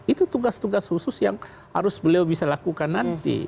itu tugas tugas khusus yang harus beliau bisa lakukan nanti